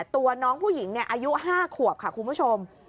ตัวน้องผู้หญิงอายุ๕ขวบค่ะคุณผู้ชม